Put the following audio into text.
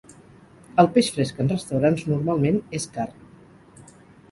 El peix fresc en restaurants normalment és car.